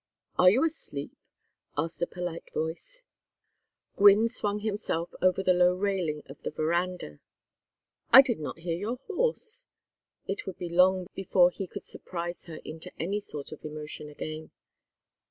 "Are you asleep?" asked a polite voice. Gwynne swung himself over the low railing of the veranda. "I did not hear your horse." It would be long before he could surprise her into any sort of emotion again.